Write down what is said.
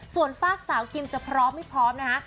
ส่วนฝากสาวคิมจะพร้อมไม่พร้อมนะคะ